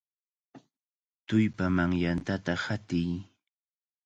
¡Tullpaman yantata hatiy!